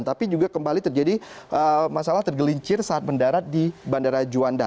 tapi juga kembali terjadi masalah tergelincir saat mendarat di bandara juanda